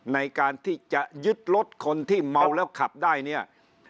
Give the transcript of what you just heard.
ในการที่จะยึดรถคนที่เมาแล้วขับได้เนี่ย